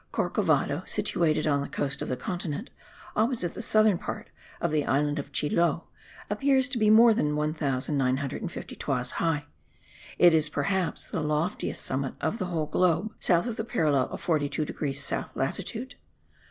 Corcovado, situated on the coast of the continent, opposite the southern point of the island of Chiloe, appears to be more than 1950 toises high; it is perhaps the loftiest summit of the whole globe, south of the parallel of 42 degrees south latitude.